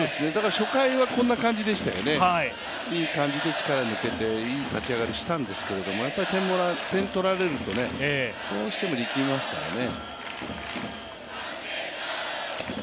初回はこんな感じでしたよね、いい感じで力が抜けて、いい立ち上がりしたんですけど、やっぱり点を取られるとどうしても力みますからね。